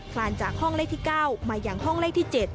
ลานจากห้องเลขที่๙มาอย่างห้องเลขที่๗